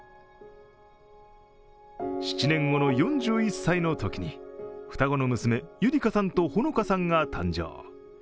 ７年後の４１歳のときに双子の娘、結里加さんと穂乃加さんが誕生。